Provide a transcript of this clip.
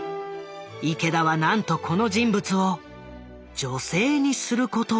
池田はなんとこの人物を女性にすることを決めた。